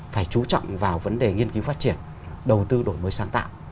phải chú trọng vào vấn đề nghiên cứu phát triển đầu tư đổi mới sáng tạo